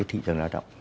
thị trường lao động